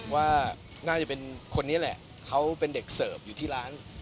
ว่าน่าจะเป็นคนนี้แหละเขาเป็นเด็กเสิร์ฟอยู่ที่ร้าน